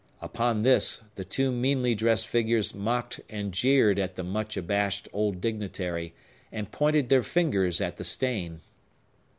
Upon this, the two meanly dressed figures mocked and jeered at the much abashed old dignitary, and pointed their fingers at the stain.